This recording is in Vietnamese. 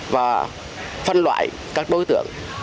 và phân loại các đối tượng